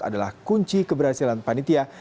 adalah kunci keberhasilan panitia